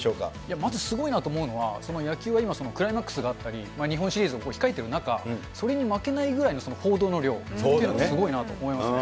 まずすごいなと思うのは、野球は今クライマックスがあったり、日本シリーズを控えてる中、それに負けないぐらいの報道の量っていうのがすごいなと思いますね。